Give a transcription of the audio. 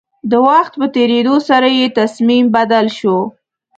د وخت په تېرېدو سره يې تصميم بدل شو.